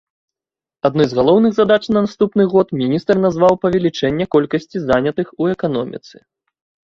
Адной з галоўных задач на наступны год міністр назваў павелічэнне колькасці занятых у эканоміцы.